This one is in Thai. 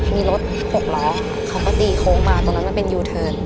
มีรถหกล้อเขาก็ตีโค้งมาตรงนั้นมันเป็นยูเทิร์น